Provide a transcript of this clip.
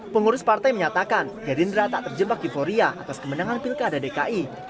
pengurus partai menyatakan gerindra tak terjebak euforia atas kemenangan pilkada dki